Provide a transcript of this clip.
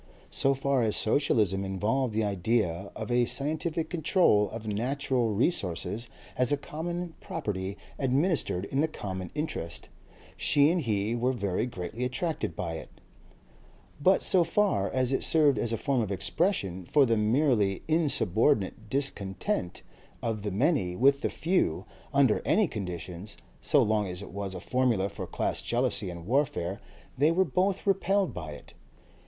So far as socialism involved the idea of a scientific control of natural resources as a common property administered in the common interest, she and he were very greatly attracted by it; but so far as it served as a form of expression for the merely insubordinate discontent of the many with the few, under any conditions, so long as it was a formula for class jealousy and warfare, they were both repelled by it.